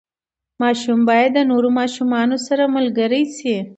ماشوم باید د نورو ماشومانو سره ملګری شي.